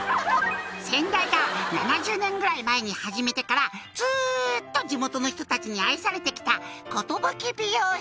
「先代が７０年ぐらい前に始めてからずっと地元の人たちに愛されて来た」